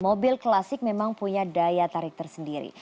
mobil klasik memang punya daya tarik tersendiri